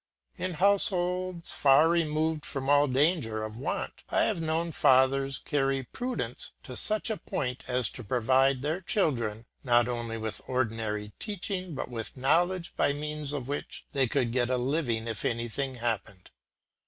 In households far removed from all danger of want I have known fathers carry prudence to such a point as to provide their children not only with ordinary teaching but with knowledge by means of which they could get a living if anything happened.